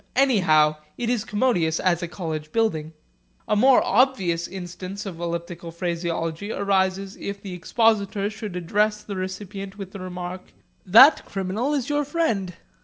'Anyhow, it is commodious as a college building.' A more obvious instance of elliptical phraseology arises if the expositor should address the recipient with the remark, 'That criminal is your friend.'